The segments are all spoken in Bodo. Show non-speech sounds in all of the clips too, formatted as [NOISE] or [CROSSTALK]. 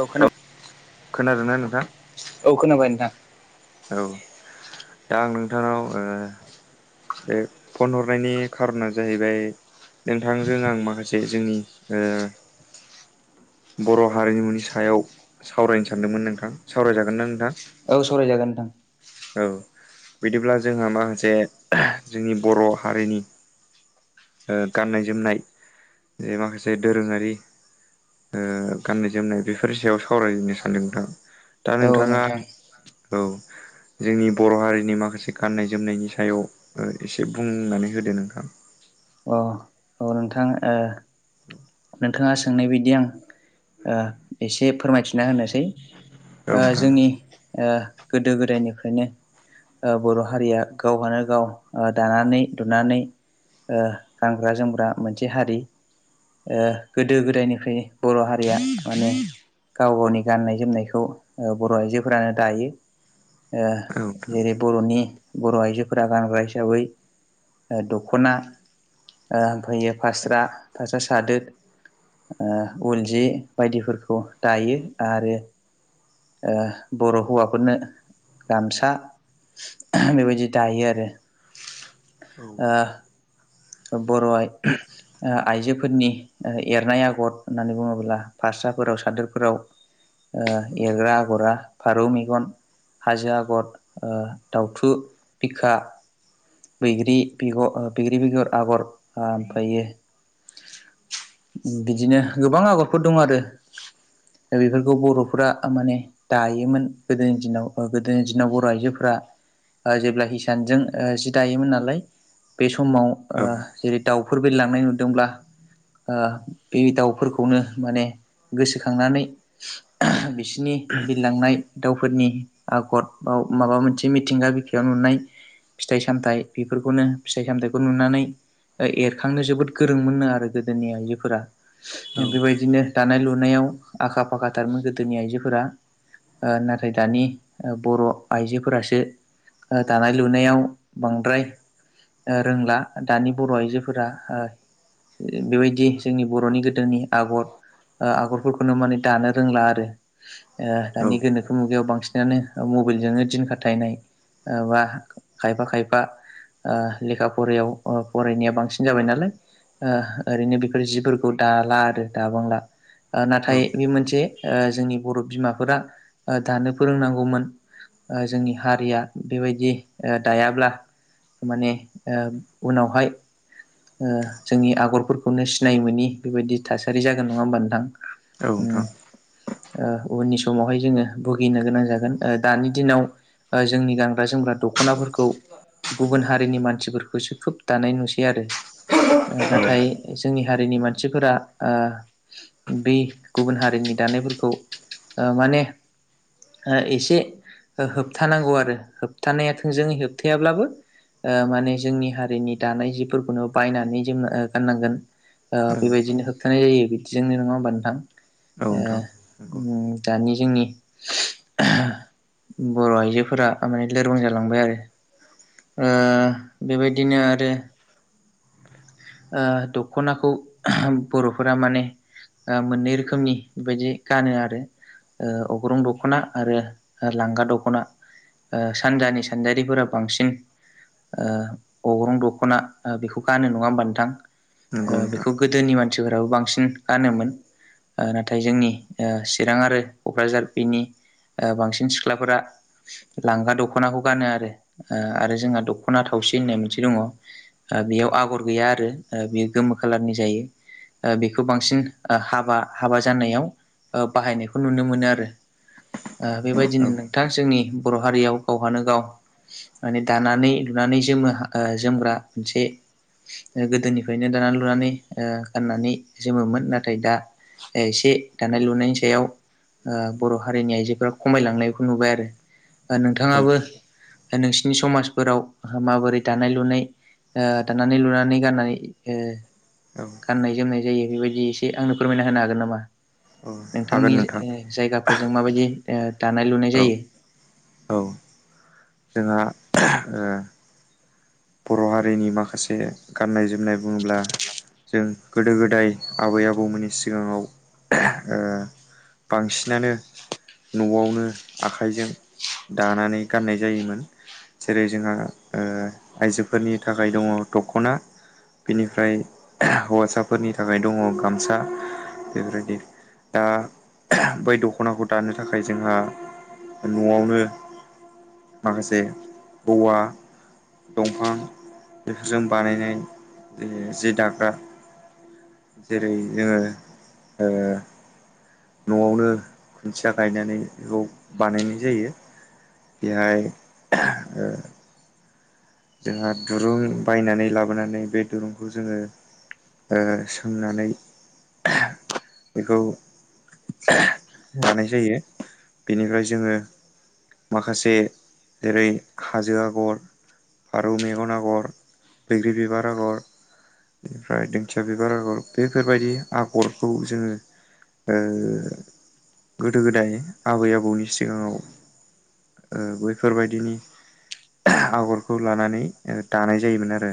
औ खोना खोनादोंना नोंथां औ खोनाबाय नोंथां औ दा आं नोंथांनाव ओ ओ बे फन हरनायनि खारना जाहैबाय नोंथांजों आं माखासे जोंनि बर' हारिमुनि सायाव सावरायनो सानदोंमोन नोंथां सावरायजागोनदां नोंथां औ सावरायजागोन नोंथां औ बिदिब्ला जोंहा माखासे जोंनि बर' हारिनि गाननाय जोमनाय जे माखासे दोरोङारि गाननाय जोमनाय बेफोरनि सायाव सावरायनो सानदों नोंथां दा औ नोंथाङा नोंथां औ जोंनि बर' हारिनि माखासे गाननाय जोमनायनि सायाव एसे बुंनानै होदो नोंथां अ औ नोंथां ओ नोंथाङा सो सोंनाय बदि आं एसे फोरमायथि थिना होनोसै औ नोंथां जोंनि गोदो गोदायनिफ्रायनो ओ बर' हारिया गावहानो गाव दानानै लुनानै ओ गानग्रा जोमग्रा मोनसे हारि ओ गोदो गोदायनिफ्राय बर' हारिया माने गाव गावनि गाननाय जोमनायखौ बर' आइजोफोरानो दायो ओ औ नोंथां जेरै बर'नि बर' आइजोफोरा गानग्रा हिसाबै दख'ना ओमफायो फास्रा फास्रा सादोर ओ उल जि बायदिफोरखौ दायो आरो ओ बर' हौवाफोरनो गामसा बेबायदि दायो आरो ओ थ' बर' आइ [INAUDIBLE] ओ आइजोफोरनि ओ एरनाय आगर होननानै बुङोब्ला फारसाफोराव सादोरफोराव ओ एरग्रा आगरा फारौ मेगन हाजो ओ आगर दाउथु बिखा बैग्रि बेग बैग्रि बेगर आगर ओमफायो बिदिनो गोबां आगरफोर दं आरो दा बेफोरखौ बर'फोरा माने दायोमोन गोदोनि दिनाव गोदोनि दिनाव बर' आइजोफोरा जेब्ला हिसानजों जि दायोमोन नालाय बे समाव औ ओ जेरै दाउफोर बिरलांनाय नुदोंब्ला आ बे दाउफोरखौनो माने गोसोखांनानै बिसिनि बिरलांनाय दाउफोरनि आगर बाव माबा मोनसे मिथिंगा बिखायाव नुनाय फिथाइ सामथाइ बेफोरखौनो फिथाइ सामथाइखौ नुनानै एरखांनो जोबोद गोरों मोनो आरो गोदोनि आइजोफोरा बेबायदिनो दानाय लुनायाव आखा फाखा थारोमोन गोदोनि आइजोफोरा ओ नाथाय दानि बर' आइजोफोरासो दानाय लुनायाव बांद्राय रोंला दानि बर' आइजोफोरा बेबायदि जोंनि बर'नि गोदोनि आगर आगरफोरखौनो माने दानो रोंला आरो दानि गोनोखो मुगायाव बांसिन नो मबाइलजोंनो दिन खाथायनाय बा खायफा खायफा ओ लेखा फरियाव फरायनाया बांसिन जाबाय नालाय ओ ओरैनो बेफोर जिफोरखौ दाला आरो दाबांला औ नाथाय बे मोनसे ओ जोंनि बर' बिमाफोरा दानो फोरोंनांगौमोन ओ जोंनि हारिया बेबायदि दायाब्ला माने ओ उनावहाय ओ जोंनि आगरफोरखौनो सिनाय मोनि बेबायदि थासारि जागोन नङा होमबा नोंथां औ उम नोंथां ओ उननि समावहाय जोङो भुगिनो गोनां जागोन दानि दिनाव जोंनि गानग्रा जोमग्रा दख'नाफोरखौ गुबुन हारिनि मानसिफोरखौसो खोब दानाय नुसै आरो नाथाय जोंनि हारिनि मानसिफोरा आ बे गुबुन हारिनि दानायफोरखौ ओ माने एसे होबथानांगौ आरो होबथानाया थोंजोङै होबथायाब्लाबो ओ माने जोंनि हारिनि दानाय जिफोरखौनो बायनानै जोङो गाननांगोन औ बेबायदिनो होबथानाय जायो बिदिजोंनो नङा होमबा नोंथां ओ नोंथां नंगौ उम दानि जोंनि बर' आइजोफोरा माने लोरबां जालांबाय आरो औ ओ बेबायदिनो आरो दख'नाखौ ओ बर'फोरा माने मोननै रोखोमनि बे बायदि गानो आरो ओ अग्रं दख'ना आरो लांगा दख'ना सानजानि सानजारिफोरा बांसिन ओ अग्रं दख'ना बेखौ गानोनो नङा होमबा नंगौ नोंथां नोंथां बेखौ गोदोनि मानसिफोराबो बांसिन गानोमोन। नाथाय जोंनि चिरां आरो क'क्राझार बिनि बांसिन सिख्लाफोरा लांगा दख'नाखौ गानो आरो आरो जोंहा दख'ना थावसि होननाय मोनसे दङ। बेयाव आगर गैया आरो बेयो गोमो खालारनि जायो। ओ बेखौ बांसिन हाबा हाबा जानायाव बाहायनायखौ नुनो मोनो आरो बेबायदिनो औ नोंथां जोंनि बर' हारियाव। गावहानो गाव माने दानानै लुनानै जोमो जोमग्रा मोनसे गोदोनिफ्रायनो दा लुनानै गाननानै जोमोमोन नाथाय दा एसे दानाय लुनायनि सायाव। बर' हारिनि आइजोफोरा खमायलांनायखौ नुबाय आरो औ नोंथाङाबो नोंसिनि समाजफोराव माबोरै दानाय-लुनाय, दानानै-लुनानै गाननानै औ। गाननाय जोमनाय जायो बेबायदि एसे आंनो फोरमायना होनो हागोन नामा औ हागोन नोंथांनि नोंथां जायगाफोरजों माबायदि दानाय-लुनाय औ जायो। औ जोंहा ओ बर' हारिनि माखासे गाननाय जोमनाय बुङोब्ला। जों गोदो-गोदाय, आबै-आबौमोननि सिगाङाव बांसिनानो न'आवनो आखाइजों दानानै गाननाय जायोमोन जेरै जोंहा आइजोफोरनि थाखाय दङ दख'ना बिनिफ्राय हौवासाफोरनि थाखाय दङ गामसा बेफोरदि दा बै दख'नाखौ दानो थाखाय जोंहा न'आवनो। माखासे औवा दंफां बेफोरजों बानायनाय जि दाग्रा जेरै जोङो न'आवनो खुन्थिया गायनानै बे बानायनाय जायो। बेहाय [UNINTELLIGIBLE] जोंहा दुरुं बायनानै लाबोनानै बे दुरुंखौ जोङो। सोंनानै बेखौ दानाय जायो बेनिफ्राय जोङो माखासे जेरै खाजो आगर फारौ मेगन आगर, बैग्रि बिबार आगर बेनिफ्राय दिंखिया बिबार आगर बेफोरबायदि आगरखौ जोङो। गोदो-गोदाय, आबै-आबौनि सिगाङाव। बैफोर बायदिनि आगर खौ लानानै दानाय जायोमोन आरो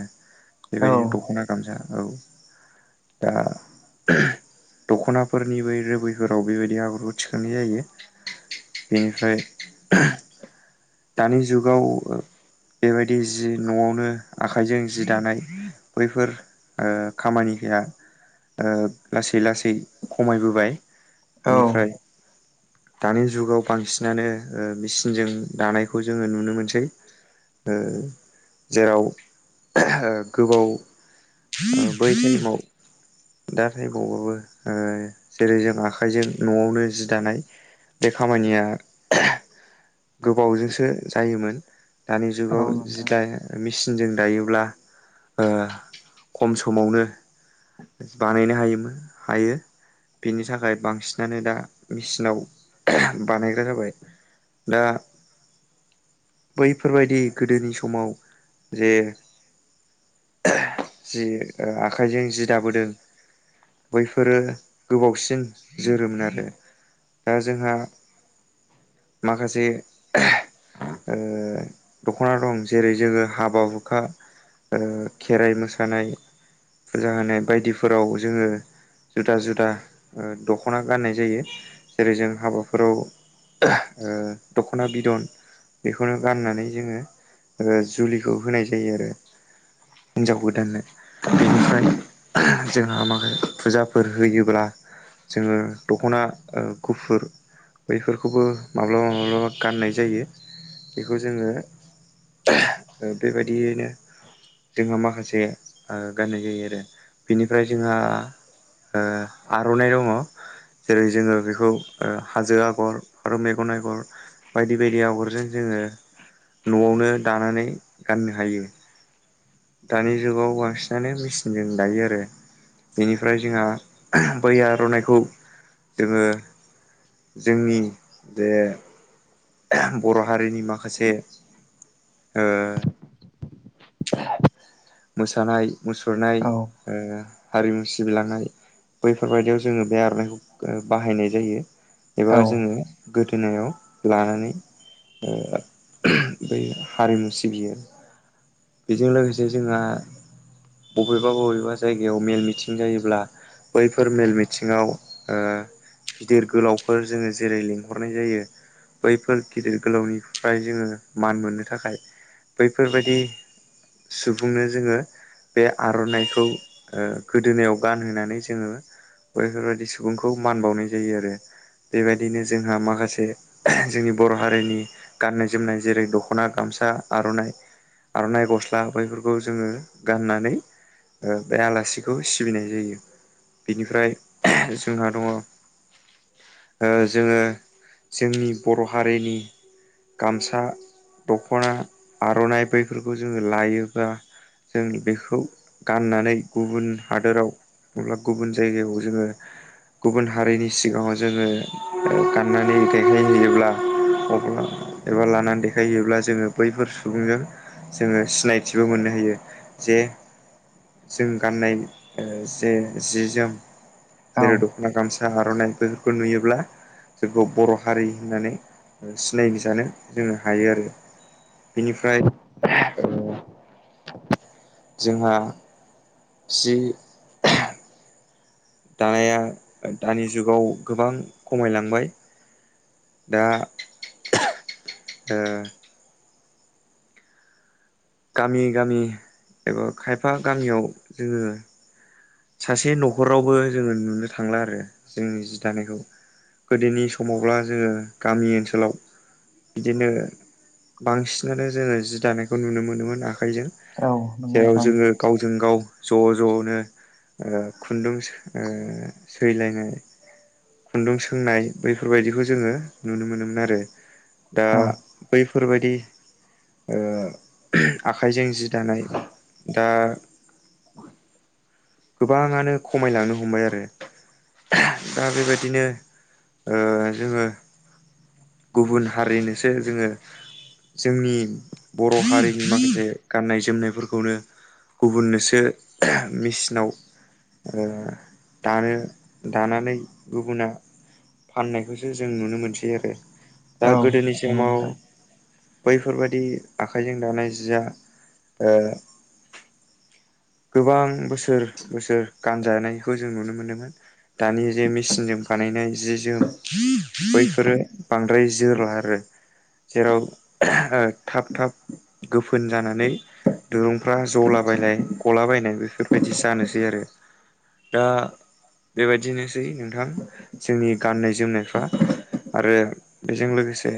औ बेबायदिनो दख'ना गामसा औ। दा [UNINTELLIGIBLE] दख'नाफोरनि बै रुबैफोराव बेबायदि आगरखौ थिखांनाय जायो। बेनिफ्राय दानि जुगाव बेबायदि जि न'आवनो आखाइजों जि दानाय बैफोर खामानिया लासै लासै खमायबोबाय। औ बेनिफ्राय दानि जुगाव बांसिनानो मेसिनजों दानायखौ जोङो नुनो मोनसै। जेराव गोबाव बै टाइमाव दा थैबावबाबो जेरै जों आखाइजों न'आवनो जि दानाय बे खामानिया गोबावजोंसो जायोमोन दानि औ जुगाव जि नोंथां दा मेसिनजों दायोब्ला खम समावनो बानायनो हायोमोन हायो। बिनि थाखाय बांसिनानो दा मेसििनाव बानायग्रा जाबाय। दा बैफोरबायदि गोदोनि समाव जे जि आखाइजों जि दाबोदों। बैफोरो गोबावसिन जोरोमोन आरो। दा जोंहा माखासे दख'ना दं जेरै जोङो हाबा हुखा खेराइ मोसानाय फुजा होनाय बायदिफोराव जोङो जुदा जुदा दख'ना गाननाय जायो जेरै जों हाबाफोराव दख'ना बिदन बेखौनो गाननानै जोङो जुलिखौ होनाय जायो आरो हिन्नजाव गोदाननो बेनिफ्राय जोंहा माखा फुजाफोर होयोब्ला जोङो दख'ना गुफुर बैफोरखौबो माब्लाबा माब्लाबा गाननाय जायो बेखौ जोङो बेबायदियैनो जोंहा माखासे गाननाय जायो आरो बिनिफ्राय जोंहा आर'नाइ दङ। जेरै जोङो बेखौ हाजो आगर आरो मेगन आगर बायदि बायदि आगरजों जोङो न'आवनो दानानै गाननो हायो। दानि जुगाव बांसिनानो मेचिनजों दायो आरो। बेनिफ्राय जोंहा बै आर'इखौ जोङो जोंनि जे बर' हारिनि माखासे [INAUDIBLE] ओ। मोसानाय मुसुरनाय औ हारिमु सिबिलांनाय बैफोरबायदियाव जोङो बे आर'नाइखौ बाहायनाय जायो। एबा औ जोङो गोदोनायाव लानानै बै हारिमु सिबियो बेजों लोगोसे जोंहा बबेबा बबेबा जायगायाव मेल मिथिं जायोब्ला बैफोर मेल मिथिङाव गिदिर गोलावफोर जोङो जेरै लिंहरनाय जायो। बैफोर गिदिर गोलावनिफ्राय जोङो मान मोननो थाखाय बैफोरबायदि सुबुंनो जोङो बे आर'नाइखौ गोदोनायाव गानहोनानै जोङो बैफोरबायाददि सुबुंखौ मान बावनाय जायो आरो बेबायदिनो जोंहा माखासे जोंनि बर' हारिनि गाननाय जोमनाय जेरै दख'ना गामसा आर' आर'नाइ गस्ला ला हायफोरखौ जोङो गाननानै बे आलासिखौ सिबिनाय जायो। बिनिफ्राय जोंहा दङ। जोङो जोंनि बर' हारिनि गामसा दख'ना आर'नाइ बैफोरखौ जोङो लायोबा। जों बेखौ गाननानै गुबुन हादोराव अब्ला गुबुन जायगायाव जोङो गुबुन हारिनि सिगाङाव जोङो गाननानै गायखायहैयोब्ला अब्ला एबा लानानै देखायहैयोब्ला जोङो बैफोर सुबुंजों जोङो सिनायथिबो मोननो हायो जे जों गाननाय जे जि जोम औ जेरै दख'ना गामसा आर'नाइ बेफोरखौ नुयोब्ला जोंखौ बर' हारि होननानै सिनायथि जानो जोङो हायो आरो। बिनिफ्राय जोंहा जि दानाया दानि जुगाव गोबां खमायलांबाय। दा ओ गामि गामि एबा खायफा गामियाव जोङो सासे न'खरावबो जोङो नुनो थांला आरो जोंनि जि दानायखौ गोदोनि समावब्ला जोङो गामि ओनसोलाव बिदिनो बांसिनानो जोङो जि दानायखौ नुनो मोनोमोन आखाइजों। औ नंगौ जेराव नोंथां जोङो गावजों गाव ज' ज'नो ओ खुन्दुं ओ सैलायनाय खुन्दुं सोंनाय बैफोरबायाददिखौ जोङो नुनो मोनोमोन आरो। दा औ बैफोरबायाददि ओ आखाइजों जि दानाय दा गोबाङानो खमायलांनो हमबाय आरो। दा बेबायदिनो ओ जोङो गुबुन हारिनोसो जोङो जोंनि बर' हारिनि माखासे गाननाय जोमनायफोरखौनो गुबुननोसो मेचनाव ओ आरो दानो दानानै गुबुना फाननायखौसो जों नुनो मोनसै आरो दा औ गोदोनि नंगौ समाव नोंथां बैफोरबायदि आखाइजों दानाय जिया ओ गोबां बोसोर बोसोर गानजानायखौ जों नुनो मोनोमोन। दानि जे मेसिनजों बानायनाय जि जोम बैफोरो बांद्राय जोरला आरो जेराव ओ थाब थाब गोफोन जानानै दिरुंफ्रा जला बायनाय गला बायनाय बेफोरबायदि जानोसै आरो। दा बेबायदिनोसै नोंथां जोंनि गाननाय जोमनायफ्रा आरो बेजों लोगोसे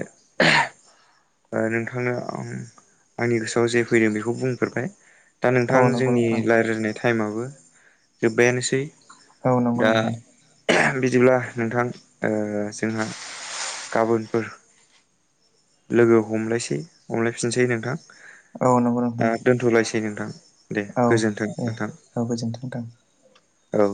ओ नोंथांनो आं आंनि गोसोआव जे फैदों बेखौ बुंफोरबाय। दा नोंथां औ नंगौ जोंनि नोंथां रायज्लायजायनाय टाइमबो जोब्बायानोसै। औ नंगौ दा नोंथां बिदिब्ला नोंथां ओ जोंहा गाबोनफोर लोगो हमलायसै हमलायफिनसै नोंथां। औ नंगौ नोंथां। दोन्थ'लायसै नोंथां दे औ गोजोन्थों दे नोंथां औ गोजोनथों नोंथां औ।